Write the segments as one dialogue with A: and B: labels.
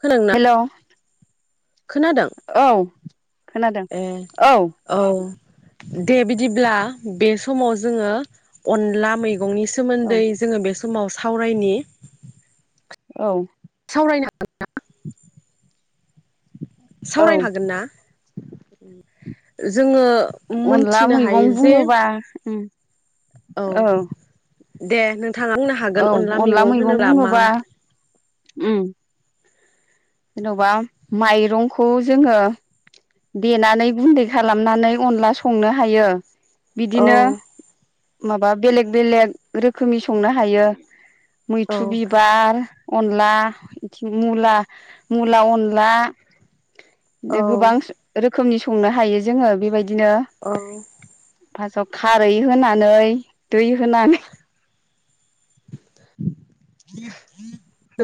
A: खोनादोंना?
B: हेल'
A: खोनादों
B: औ खोनादों
A: ए
B: औ।
A: दे बिदिब्ला बे समाव जोङो अनला मैगं गंनि
B: औ
A: सोमोनदै जोङो बेस नाव सावरायनि
B: औ
A: सावरायनो हागोन ना
B: औ
A: सावरायनो हागोन ना? जोङो
B: अनला
A: मोनथिनो हायो
B: मैगं
A: जे
B: बुङोबा औ
A: दे नों
B: औ अनला मैगं बुङोबा उम जेनेबा माइरंखौ जोङो देनानै गुन्दै खालामनानै अनला संनो हायो
A: औ
B: बिदिनो माबा बेलेग बेलेग रोखोमनि संनो हायो
A: औ
B: मैथ्रु बिबार । अनला मुला मुला अनला
A: औ
B: गोबां रोखोमनि संनो हायो जोङो बेबायद
A: औ
B: फासआव खारै होनानै दै होनानै [inaudible]
A: [inaudible]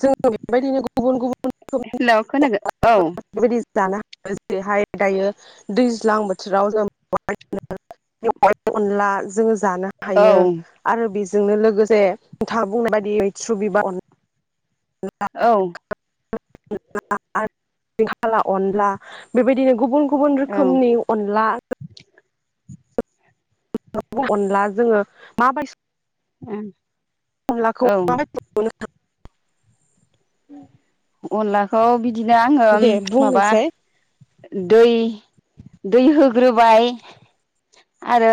A: जों बेबायदिनो गुबुन गुबुन रोखोमनि
B: हेल खोनादों औ
A: बेबायदि जानो ह जेरैहाय दायो दैज्लां बोथोराव जों [inaudible] अनला जोङो जानो
B: औ
A: हायो आरो बेजों जोंनो लोगो गोसे नोंथाङा बुंनाय बायदि मैथ्रु बिबार अन
B: औ
A: [inaudible] हाला अनला बेबायदिनो गुबुन गुबुन
B: औ
A: रोखोमनि अनला [inaudible] अनला जोंङो माबाय
B: ओं
A: खामलाखौ [inaudible]
B: अनलाखौ बि बिदिनो आंङो
A: दे
B: माबा
A: बुंनोसै
B: दै दै होग्रोबाय आरो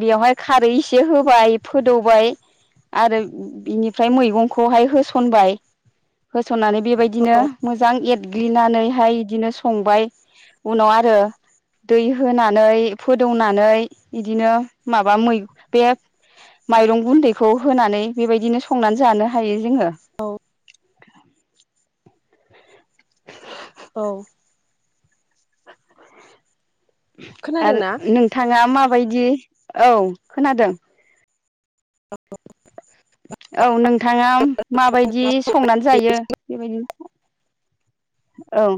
B: बेवहाय खारै एसे होबाय फोदौबाय आरो बिनिफ्राय मैगंखौहाय होसनबाय । होसननानै बेबायदिनो मोजां एरग्लिनानैहाय बिदिनो संबाय उनाव आरो दै होनानै फोदौनानै इदिनो माबा मै बे माइरं गुन्दैखौ होनानै बेबायदिनो संनानै जानो हायो जोङो
A: औ औ
B: आरो
A: खोनादोंना
B: नोंथाङा माब माबायदि औ खोनादों औ नोंथाङा माबायदि संनानै जायो बेबायदि औ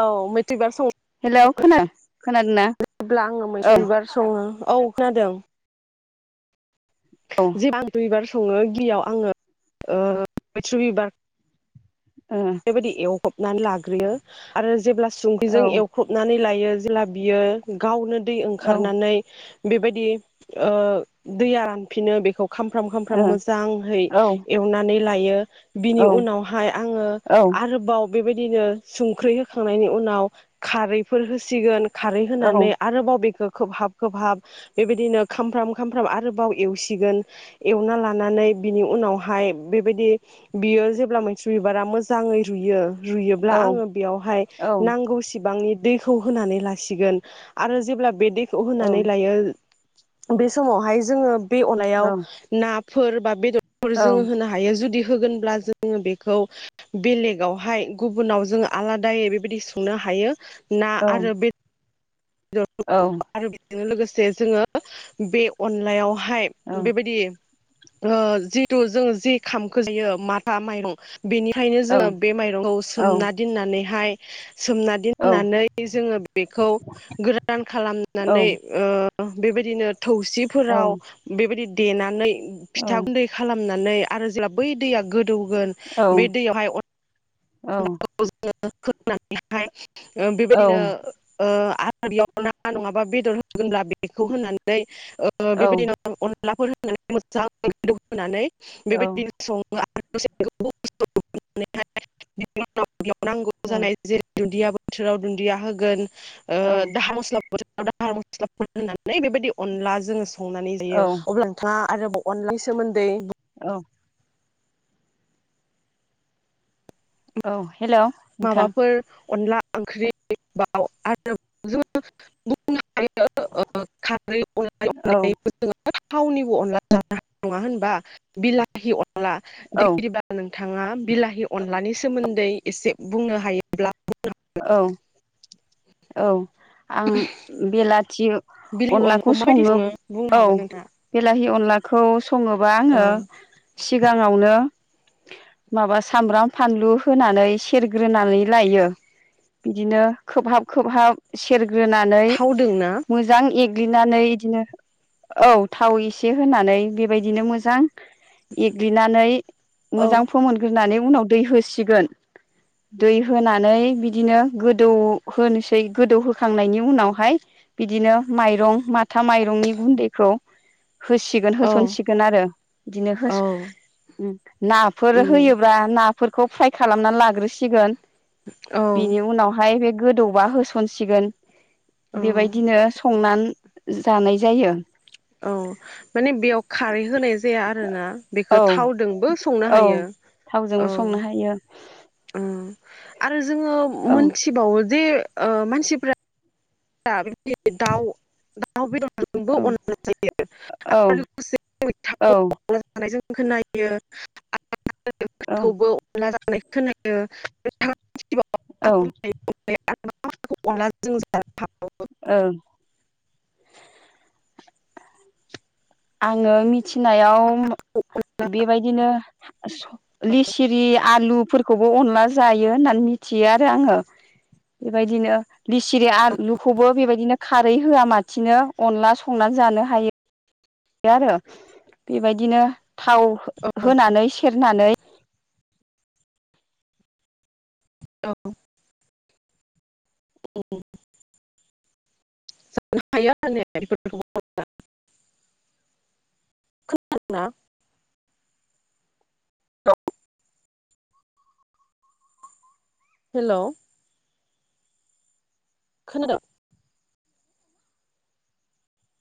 A: औ मेट्रिक बार सौ
B: हेलौ खोना खोनादों ना
A: सङोब्ला आङो मैथ्रु
B: औ
A: बिबार सङो औ खोनादों
B: औ
A: जिबां आं दुइ बार सङो गिबियाव आङो ओ मैथ्रु बिबार
B: ओ
A: बेबायदि औ फबनानै लाग्रोरयो आरो जेब्ला
B: औ
A: संख्रिजों एवखबनानै लायो जेला बियो गावनो दै
B: औ
A: ओंखारनानै बेबायदि ओ दैया रानफिनो बेखौ खामफ्राम खामफ्राम मोजांहै
B: ओ औ
A: एवनानै लायो बिनि उनावहाय आङो
B: औ
A: आरोबाव बेबायदिनो संख्रि होखांनायनि उनाव खारैफोर होसिगोन खारै
B: औ
A: होनानै आरोबाव बेखौ खोबहाब खोबहाब बेबायदिनो खामफ्राम खामफ्राम आरोबाव एवसिगोन एवना लानानै बिनि उनावहाय बेबायदि बियो जेब्ला मैथ्रु बिबारा मो मोजाङै रुययो रुयोब्ला
B: औ
A: आङो बेयावहाय नांगौ सिबांनि दैखौ होनानै लासिगोन आरो जेब्ला बे दैखौ
B: औ
A: होनानै लायो बे समावहाय जोङो बे
B: औ
A: अनलायाव ना फोर बा बेदर फोर जोङो होनो हायो जुदि होगोनब्ला जोङो बेखौ बेलेग आवहाय गुबुनाव जों आलादायै बेबायदि संनो हायो । ना आरो बे दर
B: औ
A: आरो बेजोंनो लोगोसे जे जोङो बे अनलायाव हाय
B: औ
A: बेबायदि ओ जिथु जोङो जि खामखो जायो माथा माइरं बेनिखायनो जोङो बे माइरंखौ सोमना दोननानै हाय, [inaudible] सोमना दोननानै जोङो बेखौ गोरान खालामनानै ओ ओ बेबायदिनो थौसिफोराव बेबायदि देनानै फिथा गुन्दै खालामना नै आरो जेब्ला बै दैया गो दौगोन बे दैयावहाय
B: औ।
A: अनलाखौ [unintelligible] ओ बेबायदिनो ओ आरो बेयाव ना नङाबा बेदर होगोनब्ला बेखौ होनानै, ओ बेबायदिनो अन अनलाफोर होनानै मोजांयै गोदौ होनानै बेबायदिनो सङो। [unintelligible] [unintelligible] बेयाव नांगौ जानाय जेर दुन्दिया बोथोराव दुन्दिया होगोन ओ दाहा मसला दाहार मस्लाफोर होनानै बेबायदि अनला जोङो संनानै जायो अब्ला नोंथाङा आरोबाव अनलानि सोमोन्दै
B: औ औ हेलौ नोंथां
A: माबाफोर अनला ओंख्रि दाव आरो ओम
B: औ
A: खारैनायनाय जोङो [unintelligible] थावनिबो अनला जानाय नङा होनबा बिलाहि अन
B: औ
A: दैबा नों [unintelligible] थाङा बिलाहि अनलानि सोमोन्दै एसे बुंनो हायोब्ला
B: औ औ आं बेला थियो [unintelligible]
A: बिलि अलाखौ माबायदि सङो बुंनो हागोन नोंथां
B: बिलाहि अनलाखौ सङोबा आङो सिगाङावनो माबा सामब्राम फानलु होनानै सेरग्रोनानै लायो बिदिनो खोबहाब खोबहाब सेर ग्रोनानै
A: थावदों ना
B: मोजां इ थुग्लिनानै इदिनो औ थाव एसे होनानै बेबायदिनो मोजां एग्लिनानै
A: औ
B: मोजां फोमोनग्रोनानै उनाव दै होसिगोन दै होनानै बिदिनो गोदौ होनोसै गोदौ होखांनायनि उनावहाय बिदिनो माइरं मा माथा माइरंनि गुन्दैखौ होसिगोन
A: औ
B: होसनसिगोन आरो बिदिनो होस ओम नाफोर
A: उम
B: होयोब्ला ना फोरखौ फ्राय खालामना लाग्रोसिगोन
A: औ
B: बेनि उनावहाय बे गोदौबा होसनसिगोन
A: औ
B: बेबायदिनो संनानै जानाय जायो
A: औ माने बेयाव खारै होनाय जाया आरोना बेखौ
B: औ
A: थावदोंबो संनो
B: औ
A: हायो
B: थावजोंबो
A: औ
B: संनो हायो
A: ओ आरो जोङो
B: औ
A: मोनथिबावो जे ओ मानसिफ्रा दा दाउ-दाउ बे दं बो
B: औ
A: अननानै जायो
B: औ
A: आरो
B: औ
A: लोगोसे खोनायो
B: औ
A: [unintelligible] खौबो [unintelligible] नाय खोनायो बे हा
B: औ।
A: माखौ अनला जों थ -थ
B: ओं आङो मिथिनायाव बेबायदिनो स-लिसिरि आलु फोरखौबो अनला जायो होननानै मिथियो आरो आंङो। बेबायदिनो लिसिरि आलुखौबो बेबायदिनो खारै होआ लासिनो अनला संनानै जानो हायो। गैया आरो बेबायदिनो थाव होनानै सेरनानै
A: औ। ओम जानो हायो आरो होनबा औ हेल खोनादों